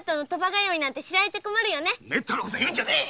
めったなことを言うんじゃねえ！